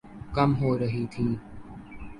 کم ہو رہی تھِی